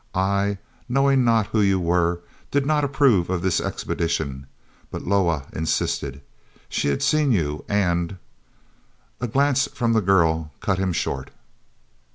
I, knowing not who you were, did not approve of this expedition, but Loah insisted. She had seen you, and—" A glance from the girl cut him short.